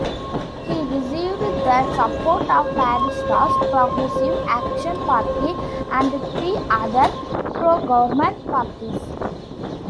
He received the support of Batista's Progressive Action Party, and three other pro-government parties.